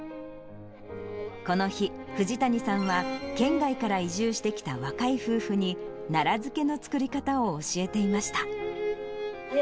この日、藤谷さんは、県外から移住してきた若い夫婦に、奈良漬けの作り方を教えていました。